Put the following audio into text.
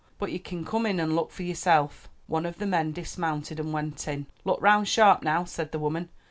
But you kin come in an' look for yourself." One of the men dismounted and went in. "Look round sharp now," said the woman.